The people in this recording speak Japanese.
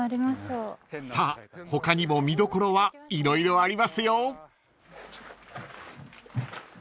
［さあ他にも見どころは色々ありますよ］